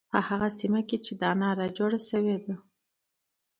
په هغه سیمه کې چې دا ناره جوړه شوې ده.